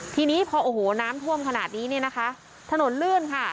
ทีนี้พอโอ้โหน้ำท่วมขนาดนี้เนี่ยนะคะถนนลื่นค่ะ